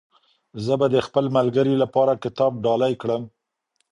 زه به د خپل ملګري لپاره کتاب ډالۍ کړم.